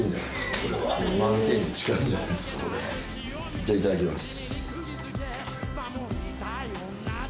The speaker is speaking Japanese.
じゃあいただきます。